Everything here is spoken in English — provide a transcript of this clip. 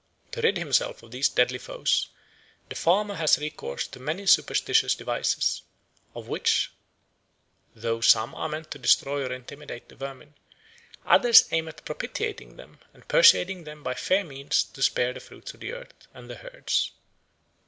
To rid himself of these deadly foes the farmer has recourse to many superstitious devices, of which, though some are meant to destroy or intimidate the vermin, others aim at propitiating them and persuading them by fair means to spare the fruits of the earth and the herds.